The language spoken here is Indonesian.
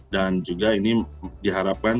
dan juga ini diharapkan